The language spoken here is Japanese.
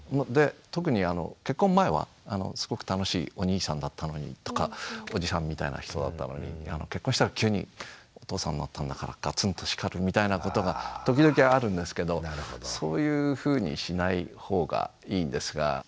で特に結婚前はすごく楽しいお兄さんだったのにとかおじさんみたいな人だったのに結婚したら急にお父さんになったんだからガツンと叱るみたいなことが時々あるんですけどそういうふうにしない方がいいんですが。